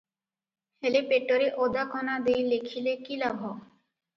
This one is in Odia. ହେଲେ ପେଟରେ ଓଦାକନା ଦେଇ ଲେଖିଲେ କି ଲାଭ?